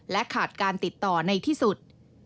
ขาดการติดต่อในที่สุด